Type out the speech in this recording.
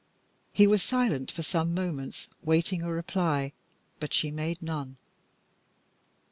He was silent for some moments waiting a reply, but she made none.